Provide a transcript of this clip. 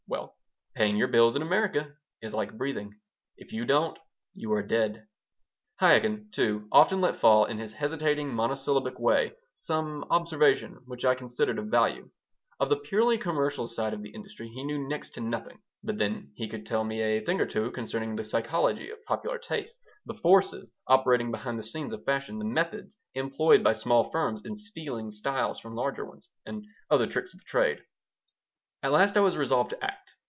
Well, paying your bills in America is like breathing. If you don't, you are dead." Chaikin, too, often let fall, in his hesitating, monosyllabic way, some observation which I considered of value. Of the purely commercial side of the industry he knew next to nothing, but then he could tell me a thing or two concerning the psychology of popular taste, the forces operating behind the scenes of fashion, the methods employed by small firms in stealing styles from larger ones, and other tricks of the trade. At last I resolved to act.